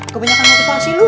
kebanyakan motivasi lo